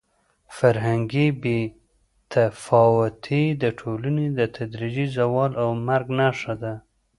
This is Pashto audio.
فرهنګي بې تفاوتي د ټولنې د تدریجي زوال او مرګ نښه ده.